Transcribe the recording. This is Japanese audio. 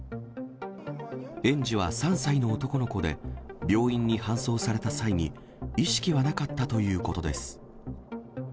園児は３歳の男の子で、病院に搬送された際に、意識はなかったということです。